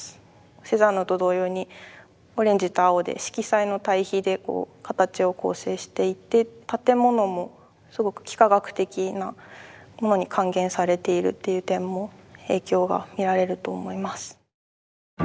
セザンヌと同様にオレンジと青で色彩の対比で形を構成していて建物もすごく幾何学的なものに還元されているという点も影響が見られると思います。